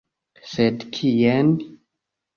Sed kien?